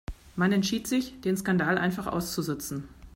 Man entschied sich, den Skandal einfach auszusitzen.